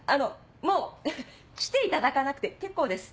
もう来ていただかなくて結構です。